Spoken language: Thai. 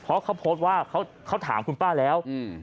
เพราะเขาโพสต์ว่าเขาถามคุณป้าแล้วอืม